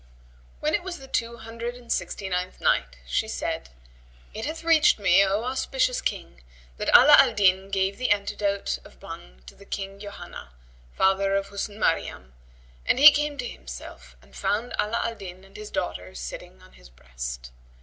When it was the Two Hundred and Sixty ninth Night, She said, It hath reached me, O auspicious King, that Ala al Din gave the antidote of Bhang to King Yohanna, father of Husn Maryam, and he came to himself and found Ala al Din and his daughter sitting on his breast.